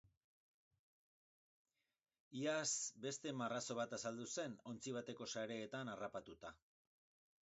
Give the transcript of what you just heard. Iaz beste marrazo bat azaldu zen ontzi bateko sareetan harrapatuta.